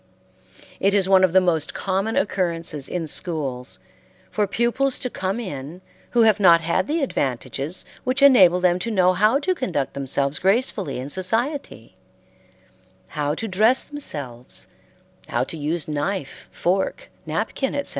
It is one of the most common occurrences in schools for pupils to come in who have not had the advantages which enable them to know how to conduct themselves gracefully in society; how to dress themselves; how to use knife, fork, napkin, etc.